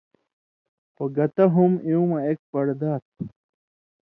خو گتہ ہُم اېوں مہ اېک پڑدا تُھو